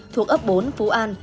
thuộc ấp bốn phú an